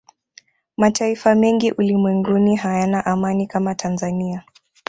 mataifa mengi ulimwenguni hayana amani kama tanzania